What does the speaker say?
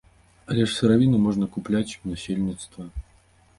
Але ж сыравіну можна купляць у насельніцтва.